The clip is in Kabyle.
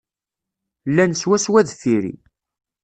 Llan swaswa deffir-i.